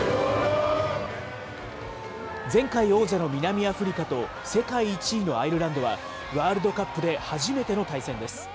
前回王者の南アフリカと、世界１位のアイルランドは、ワールドカップで初めての対戦です。